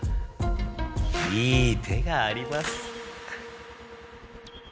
いい手があります。